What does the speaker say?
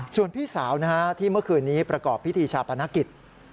ส่วนพี่สาวที่เมื่อคืนนี้ประกอบพิธีชาปนกิจ